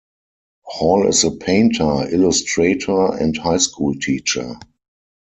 Hall is a painter, illustrator and high school teacher.